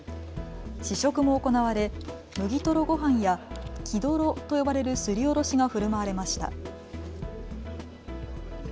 試食も行われ麦とろごはんや生どろと呼ばれるすりおろしがふるまわれました。